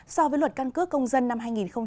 so với luật căn cước công dân năm hai nghìn một mươi ba